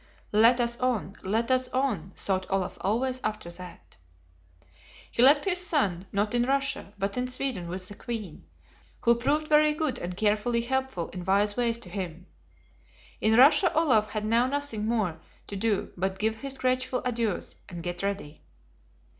"Let us on, let us on!" thought Olaf always after that. He left his son, not in Russia, but in Sweden with the Queen, who proved very good and carefully helpful in wise ways to him: in Russia Olaf had now nothing more to do but give his grateful adieus, and get ready.